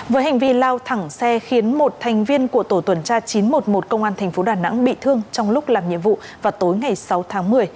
với hành vi lao thẳng xe khiến một thành viên của tổ tuần tra chín trăm một mươi một công an tp đà nẵng bị thương trong lúc làm nhiệm vụ vào tối ngày sáu tháng một mươi